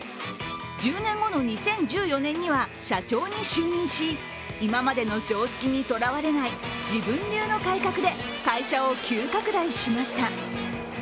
１０年後の２０１４年には社長に就任し今までの常識にとらわれない自分流の改革で会社を急拡大しました。